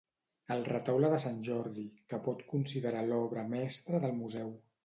El Retaule de Sant Jordi, que pot considerar l'obra mestra del museu.